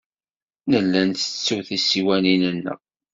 Nella nettettu tisiwanin-nneɣ.